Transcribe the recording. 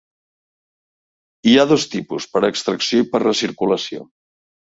Hi ha dos tipus: per extracció i per recirculació.